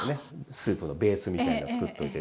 スープのベースみたいのをつくっといて。